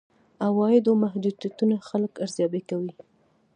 عوایدو محدودیتونه خلک ارزيابي کوي.